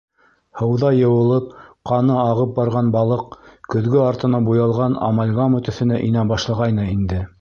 Һыуҙа йыуылып, ҡаны ағып барған балыҡ көҙгө артына буялған амальгама төҫөнә инә башлағайны инде.